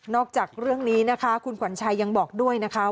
จากเรื่องนี้นะคะคุณขวัญชัยยังบอกด้วยนะคะ